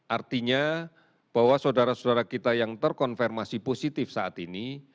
artinya bahwa saudara saudara kita yang terkonfirmasi positif saat ini